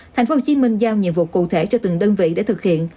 tp hcm giao nhiệm vụ cụ thể cho từng đơn vị để thực hiện